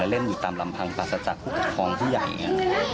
และเล่นอยู่ตามลำพังภาษาจากผู้กัดคลองที่ใหญ่